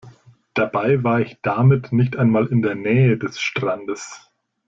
Dabei war ich damit nicht einmal in der Nähe des Strandes.